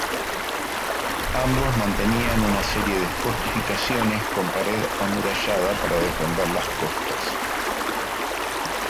Ambos mantenían una serie de fortificaciones con pared amurallada para defender la costa.